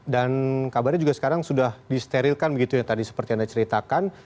dan kabarnya juga sekarang sudah disterilkan begitu ya tadi seperti anda ceritakan